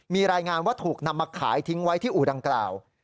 มีรายงานว่าถูกนำมาขายทิ้งไว้ที่อู่ดังกล่าว